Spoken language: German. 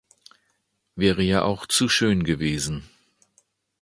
Wäre ja auch zu schön gewesen.